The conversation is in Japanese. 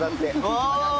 ああ！